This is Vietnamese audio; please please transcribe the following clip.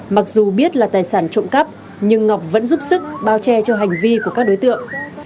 mặc dù biết là tài sản trộm cắp nhưng ngọc vẫn giúp sức bao che cho hành vi của các đối tượng